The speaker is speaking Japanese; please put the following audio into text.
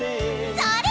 それ！